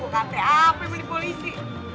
bukan teh apa yang di polisi